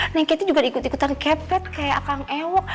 neng keti juga ikut ikutan kepet kayak akang ewo